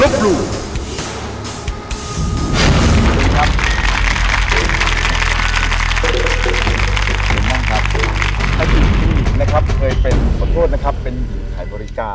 คุณหญิงนะครับเคยเป็นขอโทษนะครับเป็นหญิงขายบริการ